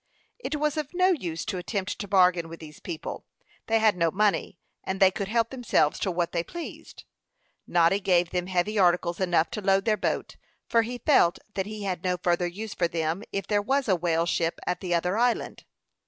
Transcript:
It was of no use to attempt to bargain with these people; they had no money, and they could help themselves to what they pleased. Noddy gave them heavy articles enough to load their boat, for he felt that he had no further use for them, if there was a whale ship at the other island.